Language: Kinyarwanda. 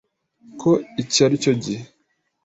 ko iki ari cyo gihe